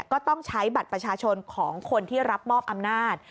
ก็ต้องใช้บัตรประชาชนของคนที่รับมอบอำนาจ